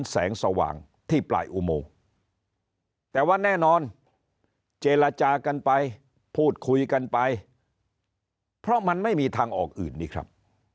แสงสว่างที่ปลายอุโมงแต่ว่าแน่นอนเจรจากันไปพูดคุยกันไปเพราะมันไม่มีทางออกอื่นนี่ครับ